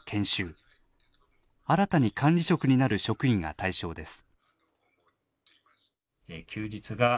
新たに管理職になる職員が対象です。